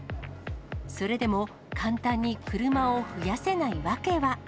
それでも、簡単に車を増やせないわけは。